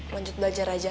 lanjut belajar aja